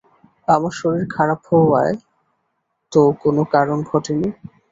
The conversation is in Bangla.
আমার শরীর খারাপ হওয়ার তো কোনো কারণ ঘটে নি!